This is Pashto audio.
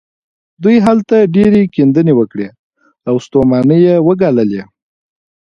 دوی هلته ډېرې کيندنې وکړې او ستومانۍ يې وګاللې.